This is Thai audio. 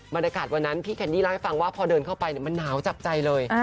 บรรยากาศวันนั้นพี่แคนดี้เล่าให้ฟังว่าพอเดินเข้าไปมันหนาวจับใจเลย